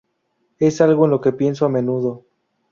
Es algo en lo que pienso a menudo.